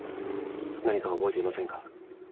何か覚えていませんか？